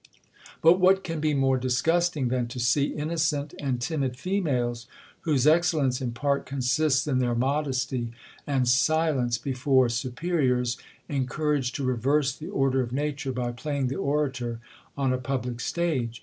But what can be more disgusting than to see innocent, and timid females, whose excel lence, in part, consists in their modesty, and silence be fore superiours, encouraged to reverse the order of na ture, by playing the orator on a public stage!